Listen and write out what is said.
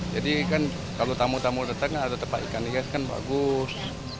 jadi kan kalau tamu tamu datang ada tempat ikan hias kan bagus